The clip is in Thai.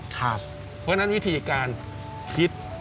เพราะฉะนั้นวิธีการคิด